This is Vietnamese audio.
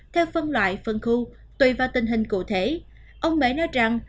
theo phân loại phân khu tùy vào tình hình cụ thể ông mẽ nói rằng